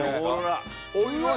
おいおい！